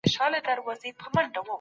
خواصو ادب محدوده ټولنه درلود.